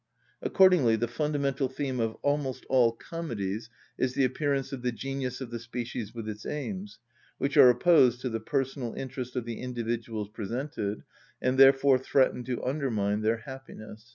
Accordingly the fundamental theme of almost all comedies is the appearance of the genius of the species with its aims, which are opposed to the personal interest of the individuals presented, and therefore threaten to undermine their happiness.